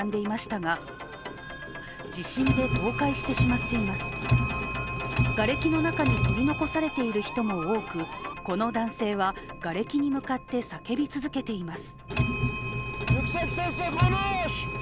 がれきの中にとりこのされている人も多くこの男性は、がれきに向かって叫び続けています。